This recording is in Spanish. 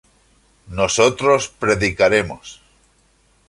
nosotros predicaremos